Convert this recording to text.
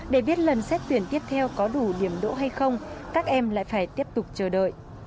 để biết lần xét tuyển tiếp theo có đủ điểm đỗ hay không các em lại phải tiếp tục chờ đợi